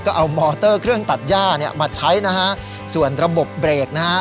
ก็เอามอเตอร์เครื่องตัดย่าเนี่ยมาใช้นะฮะส่วนระบบเบรกนะฮะ